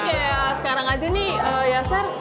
ini kayak sekarang aja nih ya ser